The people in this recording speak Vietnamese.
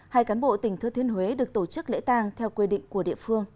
hai cán bộ tỉnh thừa thiên huế được tổ chức lễ tàng theo quy định của địa phương